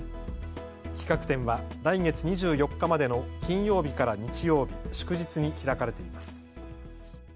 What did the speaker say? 企画展は来月２４日までの金曜日から日曜日、祝日に開かれています。